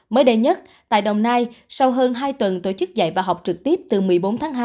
mới đây nhất tại đồng nai sau hơn hai tuần tổ chức dạy và học trực tiếp từ một mươi bốn tháng hai